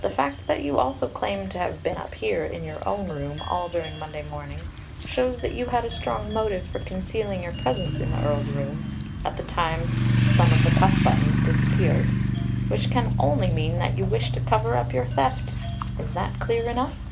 The fact that you also claimed to have been up here in your own room all during Monday morning shows that you had a strong motive for concealing your presence in the Earl's room at the time some of the cuff buttons disappeared, which can only mean that you wished to cover up your theft. Is that clear enough?"